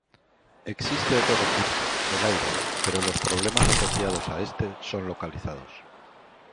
Existen otro recurso, el aire, pero los problemas asociados a este son localizados.